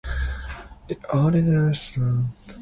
The original AstroTurf product was a short-pile synthetic turf.